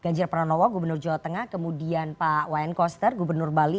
ganjar pranowo gubernur jawa tengah kemudian pak wayan koster gubernur bali